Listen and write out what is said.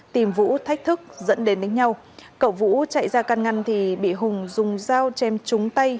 tìm vũ thách thức dẫn đến đánh nhau cậu vũ chạy ra căn ngăn thì bị hùng dùng dao chém trúng tay